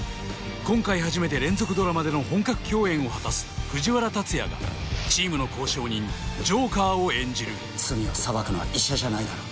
今回初めて連続ドラマでの本格共演を果たす藤原竜也がチームの交渉人ジョーカーを演じる罪を裁くのは医者じゃないだろう